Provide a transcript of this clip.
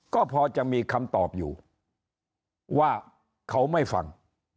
ก็พอจะมีคำตอบอยู่ว่าเขาไม่ฟัง